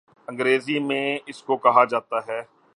انگریزی میں اس کو کہا جاتا ہے